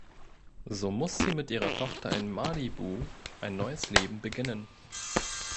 So muss sie mit ihrer Tochter in Malibu ein neues Leben beginnen.